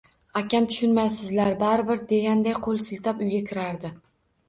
Akam tushunmaysizlar, baribir, deganday qo`l siltab uyga kirardi